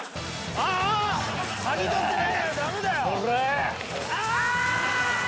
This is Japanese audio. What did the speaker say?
ああ！